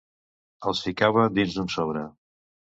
Els ficava dins d'un sobre